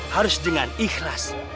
harus dengan ikhlas